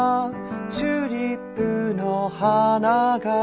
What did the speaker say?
「チューリップのはなが」